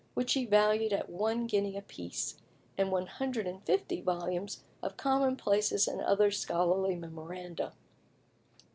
which he valued at one guinea a piece, and 150 volumes of commonplaces and other scholarly memoranda.